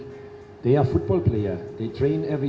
mereka adalah pemain futbol mereka berlatih setiap hari